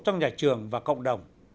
trong nhà trường và cộng đồng